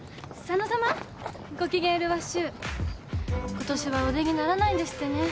ことしはお出にならないんですってね。